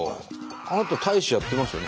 あなた大使やってますよね？